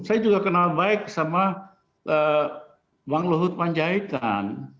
saya juga kenal baik sama bang luhut panjaitan